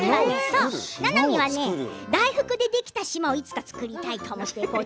ななみは大福でできた島をいつか作りたいかもしれない。